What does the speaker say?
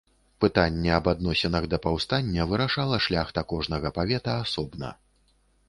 Пытанне аб адносінах да паўстання вырашала шляхта кожнага павета асобна.